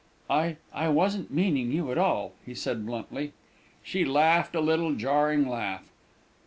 "I I wasn't meaning you at all," he said bluntly. She laughed a little jarring laugh.